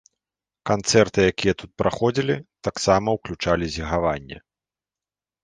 Канцэрты, якія тут праходзілі, таксама ўключалі зігаванне.